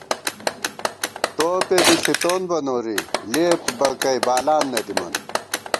توپے بی ݪِتون بہ نوری لېپ بَکَئ بالان نہ دِمان